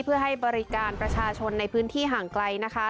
เพื่อให้บริการประชาชนในพื้นที่ห่างไกลนะคะ